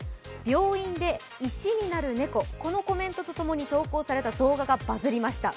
病院で石になるネコ、このコメントとともに投稿された動画がバズりました。